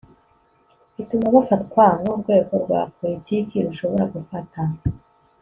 bituma bafatwa nk'urwego rwa poritiki rushobora gufata